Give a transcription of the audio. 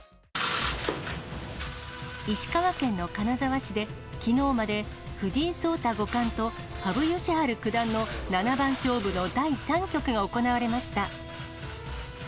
石川県の金沢市で、きのうまで、藤井聡太五冠と羽生善治九段の七番勝負の第３局が行われました。